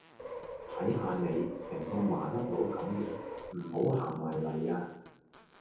睇下你，成個麻甩佬甘樣，唔好行埋黎呀